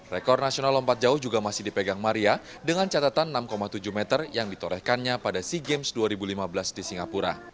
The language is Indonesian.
rekor nasional lompat jauh juga masih dipegang maria dengan catatan enam tujuh meter yang ditorehkannya pada sea games dua ribu lima belas di singapura